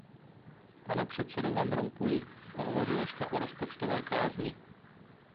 Pane předsedo Van Rompuyi, hovořil jste o rozpočtové kázni.